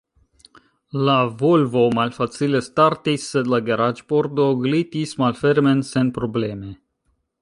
La Volvo malfacile startis, sed la garaĝ-pordo glitis malfermen senprobleme.